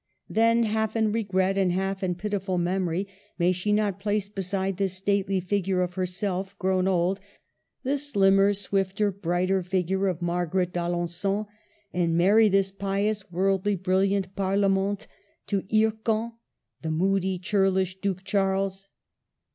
Then, half in regret and half in pitiful memory, may she not place beside this stately figure of herself grown old, the slimmer, swifter, brighter figure of Margaret d'Alengon, and marry this pious, worldly, brilliant Parlamente to Hircan, the moody and churlish Duke Charles?